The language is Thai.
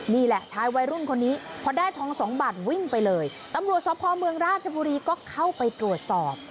นี่แหละชายวัยรุ่นคนนี้พอได้ทองสองบาทวิ่งไปเลยตำรวจสภเมืองราชบุรีก็เข้าไปตรวจสอบ